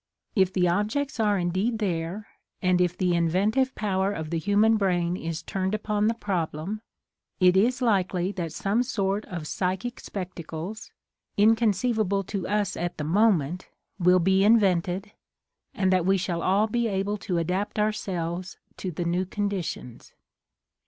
If the objects are indeed there, and if the inventive power of the human brain is turned upon the problem, it is likely that some sort of psychic spectacles, inconceiv able to us at the moment, will be invented, and that we shall all be able to adapt our selves to the new conditions.